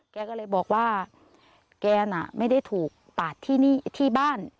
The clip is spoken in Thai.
แกก็เลยบอกว่าแกน่ะไม่ได้ถูกปาดที่บ้าน